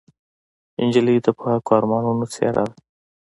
نجلۍ د پاکو ارمانونو څېره ده.